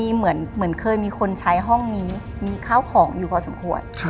เหมือนเคยมีคนใช้ห้องนี้มีข้าวของอยู่พอสมควร